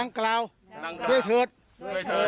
เวลาดื่มเถิดดื่มเถิด